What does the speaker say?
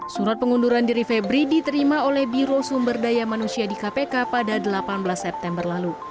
surat pengunduran diri febri diterima oleh biro sumber daya manusia di kpk pada delapan belas september lalu